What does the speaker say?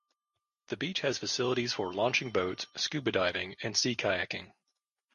The beach has facilities for launching boats, scuba diving and sea kayaking.